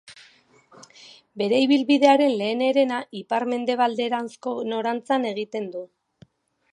Bere ibilbidearen lehen herena ipar-mendebalderanzko norantzan egiten du.